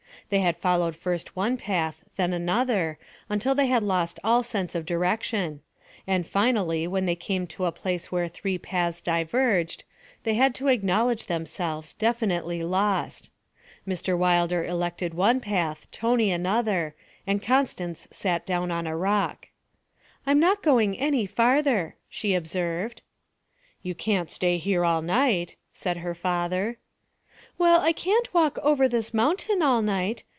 They had followed first one path, then another, until they had lost all sense of direction, and finally when they came to a place where three paths diverged, they had to acknowledge themselves definitely lost. Mr. Wilder elected one path, Tony another, and Constance sat down on a rock. 'I'm not going any farther,' she observed. 'You can't stay here all night,' said her father. 'Well, I can't walk over this mountain all night.